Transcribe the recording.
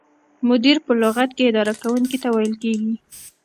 مدیر په لغت کې اداره کوونکي ته ویل کیږي.